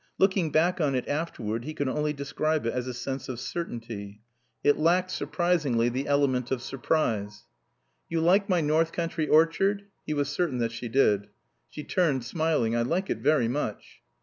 Looking back on it (afterward) he could only describe it as a sense of certainty. It lacked, surprisingly, the element of surprise. "You like my north country orchard?" (He was certain that she did.) She turned, smiling. "I like it very much."